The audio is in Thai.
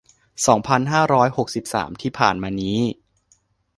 สองพันห้าร้อยหกสิบสาม ที่ผ่านมานี้